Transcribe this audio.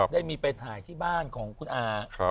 ได้มีไปถ่ายที่บ้านของคุณอา